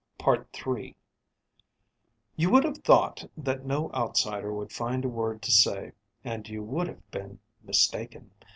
III You would have thought that no outsider would find a word to say, and you would have been mistaken.